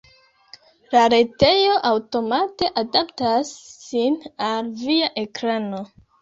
La retejo aŭtomate adaptas sin al via ekrano.